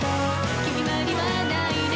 「決まりはないね」